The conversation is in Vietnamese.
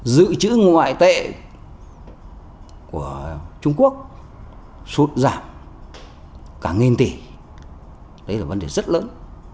dự trữ ngoại tệ của trung quốc sụt giảm cả nghìn tỷ đấy là vấn đề rất lớn